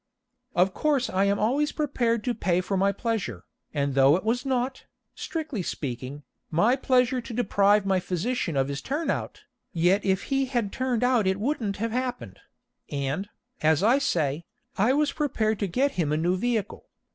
Of course I am always prepared to pay for my pleasure, and though it was not, strictly speaking, my pleasure to deprive my physician of his turn out, yet if he had turned out it wouldn't have happened and, as I say, I was prepared to get him a new vehicle.